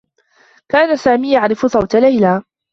كان سامي يعرف صوت ليلى.